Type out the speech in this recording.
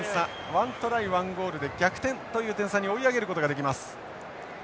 １トライ１ゴールで逆転という点差に追い上げることができます。